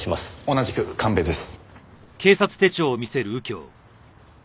同じく神戸です。